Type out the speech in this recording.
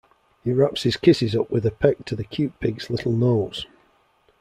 He wraps his kisses up with a peck to the cute pig's little nose.